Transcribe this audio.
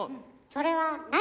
それは何？